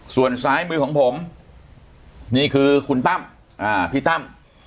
ส่วนซ้ายมือของผมนี่คือคุณตั้มพี่ตั้ม